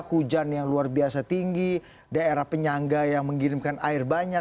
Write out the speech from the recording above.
hujan yang luar biasa tinggi daerah penyangga yang mengirimkan air banyak